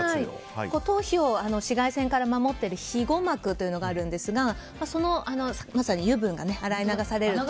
頭皮を紫外線から守っている庇護膜というものがあるんですがそのまさに脂分が洗い流されると。